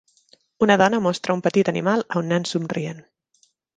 una dona mostra un petit animal a un nen somrient.